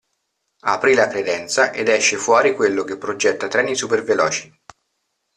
Apri la credenza ed esce fuori quello che progetta treni superveloci.